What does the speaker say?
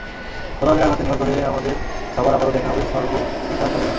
তলোয়ারের আঘাতে নিহত হয়ে, আমাদের সবার আবারো দেখা হবে সর্বপিতার দুর্গে।